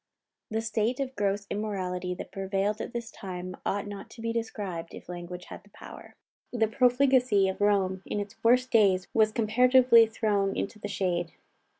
The state of gross immorality that prevailed at this time ought not to be described, if language had the power. The profligacy of Rome in its worst days was comparatively thrown into the shade.